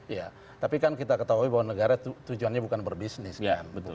iya tapi kan kita ketahui bahwa negara tujuannya bukan berbisnis kan